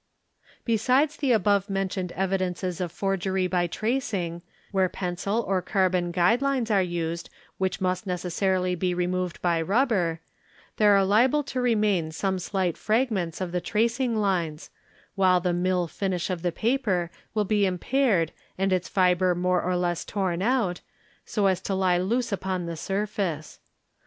Besides the abovementioned evidences of forgery by tracing, where pencil or carbon guide lines are used, which must necessarily be removed _by rubber, there are liable to remain some slight fragments of the tracing lines, while the mill finish of the paper will be impaired and its fibre more or less torn out, so as to lie loose upon the surface.